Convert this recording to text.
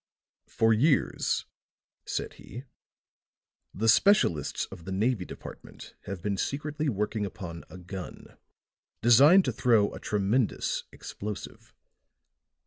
"For years," said he, "the specialists of the Navy Department have been secretly working upon a gun designed to throw a tremendous explosive.